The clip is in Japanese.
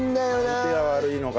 相手が悪いのかな。